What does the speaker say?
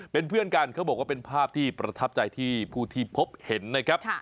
เป็นเพื่อนกันเขาบอกว่าเป็นภาพที่ประทับใจที่ผู้ที่พบเห็นนะครับ